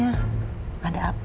aku mau nyuruh tante